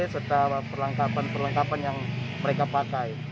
serta perlengkapan perlengkapan yang mereka pakai